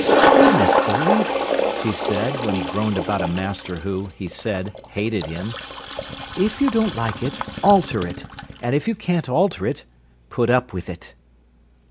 "Goodness, boy!" she said, when he groaned about a master who, he said, hated him, "if you don't like it, alter it, and if you can't alter it, put up with it."